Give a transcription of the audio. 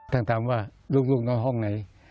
ท่านถามว่าลูกนอกห้องไหน